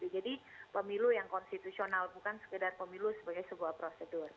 jadi pemilu yang konstitusional bukan sekedar pemilu sebagai sebuah prosedur